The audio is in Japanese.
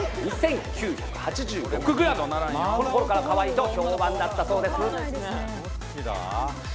この頃からかわいいと評判だったそうです。